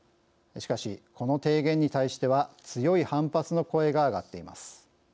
しかし、この提言に対しては強い反発の声が上がっています。